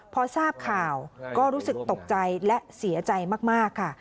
พอทราบข่าวก็รู้สึกตกใจและเสียใจมากค่ะ